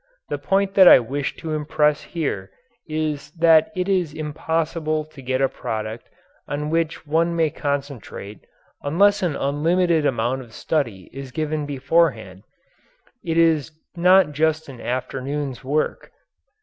The point that I wish to impress here is that it is impossible to get a product on which one may concentrate unless an unlimited amount of study is given beforehand. It is not just an afternoon's work.